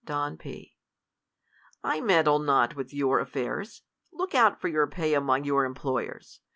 Don P. I meddle not with your affairs. Look out for your pay among your employers.